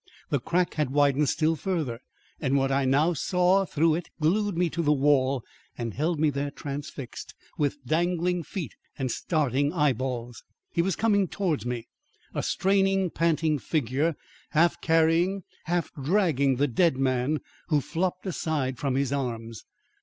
The crack had widened still further, and what I now saw through it glued me to the wall and held me there transfixed, with dangling feet and starting eyeballs. He was coming towards me a straining, panting figure half carrying, half dragging, the dead man who flopped aside from his arms.